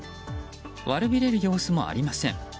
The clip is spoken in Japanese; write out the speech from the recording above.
悪びれる様子もありません。